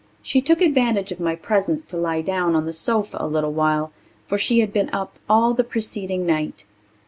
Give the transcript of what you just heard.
She took advantage of my presence to lie down on the sofa a little while, for she had been up all the preceding night.